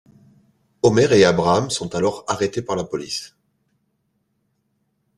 Homer et Abraham sont alors arrêtés par la police.